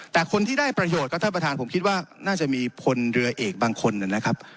แต่คนที่ได้ประโยชน์ก็ท่านประธานผมคิดว่าน่าจะมีพลเรือเอกบางคนนะครับ